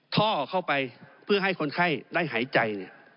ท่อเข้าไปเพื่อให้คนไข้ได้หายใจ